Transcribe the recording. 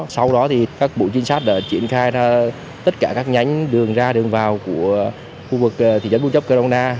sau đó thì các bộ trinh sát đã triển khai ra tất cả các nhánh đường ra đường vào của khu vực thị trấn buôn chấp cơ đông na